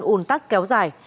ùn tắc kéo dài